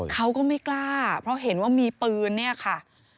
เขาก็ไม่กล้าเพราะเห็นว่ามีปืนเนี่ยค่ะ